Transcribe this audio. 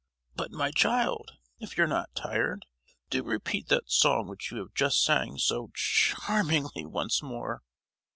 "But, my child, if you're not tired, do repeat that song which you have just sung so cha—armingly once more."